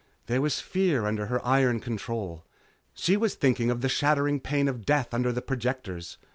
There was fear under her iron control. She was thinking of the shattering pain of death under the projectors.